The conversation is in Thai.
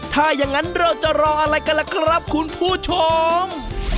ถ้าอย่างนั้นเราจะรออะไรกันล่ะครับคุณผู้ชม